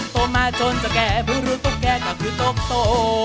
โตมาจนจะแก่พื้นรู้ทุกแก่ก็คือโต๊ะโต